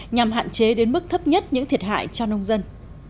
nhằm hạn chế đến mức thấp nhất những thiệt hại cho nông dân